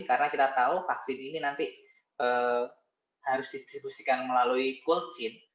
karena kita tahu vaksin ini nanti harus disibusikan melalui cold chain